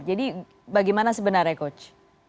jadi bagaimana sebenarnya coach